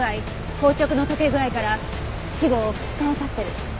硬直の解け具合から死後２日は経ってる。